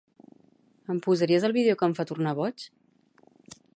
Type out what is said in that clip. En posaries el vídeo que em fa tornar boig?